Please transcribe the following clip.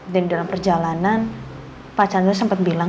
dan dalam perjalanan pak chandra sempat bilang